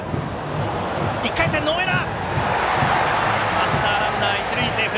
バッターランナー一塁セーフ。